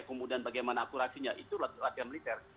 kemudian bagaimana akurasinya itu latihan militer